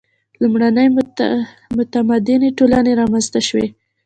• لومړنۍ متمدنې ټولنې رامنځته شوې.